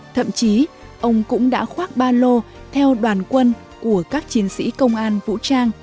thậm chí ông cũng đã khoác ba lô theo đoàn quân của các chiến sĩ công an vũ trang